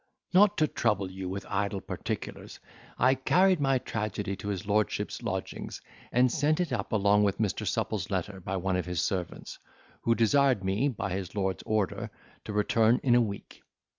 "Not to trouble you with idle particulars, I carried my tragedy to his lordship's lodgings, and sent it up along with Mr. Supple's letter by one of his servants, who desired me, by his lord's order, to return in a week.